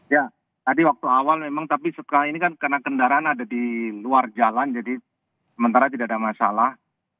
ya tadi waktu awal memang tapi sekarang ini kan karena kendaraan ada di luar jalan jadi sementara tidak ada masalah